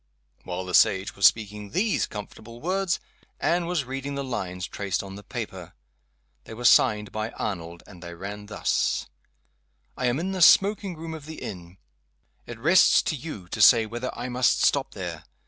While the sage was speaking these comfortable words, Anne was reading the lines traced on the paper. They were signed by Arnold; and they ran thus: "I am in the smoking room of the inn. It rests with you to say whether I must stop there.